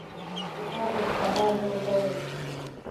کتاب د ښکلا یو ډول دی.